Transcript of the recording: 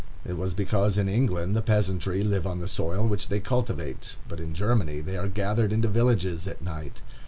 It was because in England the peasantry live on the soil which they cultivate, but in Germany they are gathered into villages, at night.